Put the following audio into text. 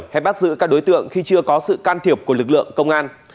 hay bắt giữ các đối tượng khi chưa có sự can thiệp của lực lượng công an